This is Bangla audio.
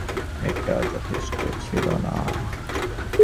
এটা যথেষ্ট ছিল না?